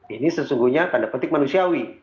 ini sesungguhnya tanda petik manusiawi